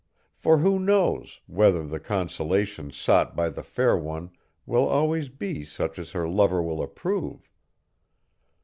For who knows, whether the consolation sought by the fair one, will always be such as her lover will approve?